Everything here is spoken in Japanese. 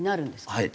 はい。